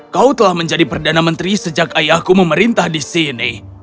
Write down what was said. kau telah menjadi perdana menteri sejak ayahku memerintah di sini